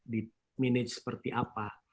di manage seperti apa